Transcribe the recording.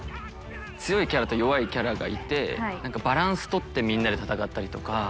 強いキャラと弱いキャラがいてバランスとってみんなで戦ったりとか。